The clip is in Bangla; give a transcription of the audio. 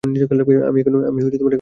আমি এখন বিজনেসম্যান।